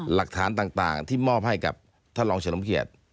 หลักฐานต่างที่มอบให้กับท่านรองเฉลิมเกียรติ